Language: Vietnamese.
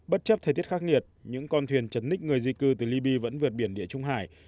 bất chấp thời tiết khắc nghiệt những con thuyền chấn ních người di cư từ liby vẫn vượt biển địa trung hải